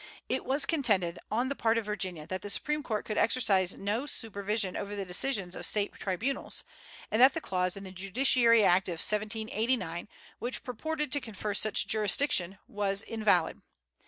It was contended on the part of Virginia that the Supreme Court could exercise no supervision over the decisions of the State tribunals, and that the clause in the Judiciary Act of 1789 which purported to confer such jurisdiction was invalid.